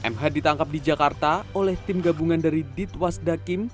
mh ditangkap di jakarta oleh tim gabungan dari ditwasdakim